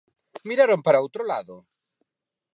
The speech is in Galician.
¡Miraron para outro lado!